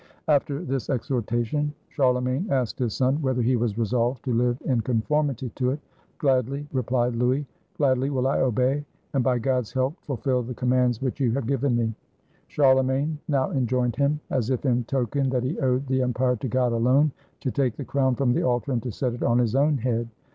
After this exhortation, Charlemagne asked his son whether he was resolved to live in conformity to it. "Gladly," replied Louis; "gladly will I obey, and by God's help ful fill the commands which you have given me." Charle 167 FRANCE magne now enjoined him, as if in token that he owed the empire to God alone, to take the crown from the altar and to set it on his own head.